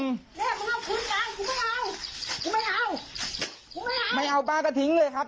ผมไม่เอาผมไม่เอาไม่เอาป้าก็ทิ้งเลยครับ